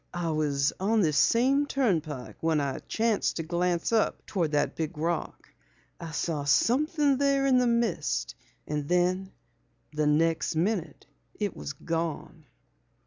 "I was on this same turnpike when I chanced to glance up toward that big rock. I saw something there in the mist and then the next minute it was gone."